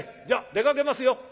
じゃあ出かけますよ」。